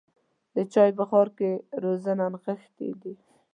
د چای بخار کې رازونه نغښتي دي.